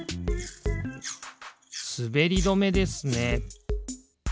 すべりどめですね。